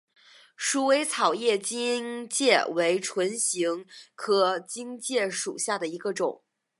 鼠尾草叶荆芥为唇形科荆芥属下的一个种。